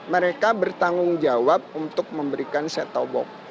mereka bertanggung jawab untuk memberikan setobok